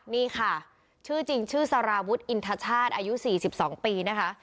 นี่ค่ะชื่อจริงชื่อสารวุฒิอินทชาติอายุ๔๒ปีนะคะ